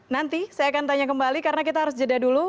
nanti saya akan tanya kembali karena kita harus jeda dulu